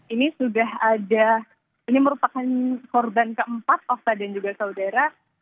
ini sudah ada ini merupakan korban keempat ova dan juga saudara